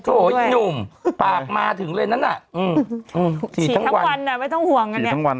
อีหนุ่มปากมาถึงเลยนั้นน่ะฉีดทั้งวันไม่ต้องห่วงกันเนี่ย